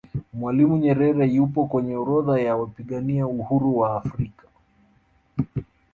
mwalimu nyerere yupo kwenye orodha ya wapigania uhuru wa afrika